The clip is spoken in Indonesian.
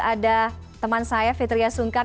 ada teman saya fitriya sungkar